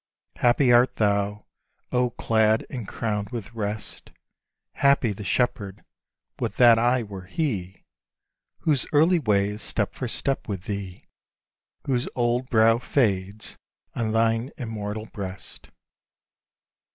Happy art thou, O clad and crowned with rest! Happy the shepherd (would that I were he!) Whose early way is step for step with thee, Whose old brow fades on thine immortal breast.